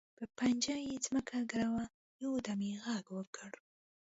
په پنجه یې ځمکه ګروي، یو دم یې غږ وکړ.